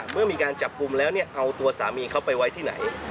เมื่อมีการจับกลุ่มแล้วเอาตัวสามีเขาไปไว้ที่ไหน